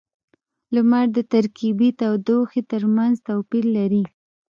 • لمر د ترکيبی تودوخې ترمینځ توپیر لري.